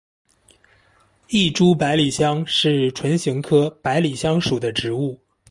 异株百里香是唇形科百里香属的植物。